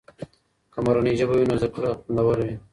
که مورنۍ ژبه وي نو زده کړه خوندور وي.